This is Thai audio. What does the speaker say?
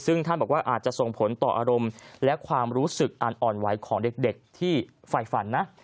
ซึ่งท่านบอกว่าอาจจะส่งผลต่ออารมณ์และความรู้สึกอันอ่อนไหวของเด็กที่ไฟฝันนะ